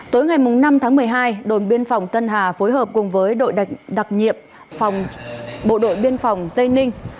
tối ngày năm tháng một mươi hai đồn biên phòng tân hà phối hợp cùng với đội đặc nhiệm bộ đội biên phòng tây ninh